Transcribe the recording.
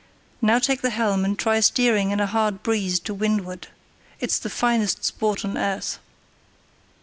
"Now take the helm and try steering in a hard breeze to windward. It's the finest sport on earth."